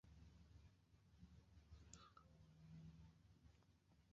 Kun san wani da ya iya Faransanci?